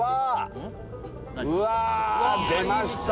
うわー出ました